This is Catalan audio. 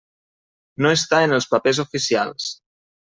No està en els papers oficials.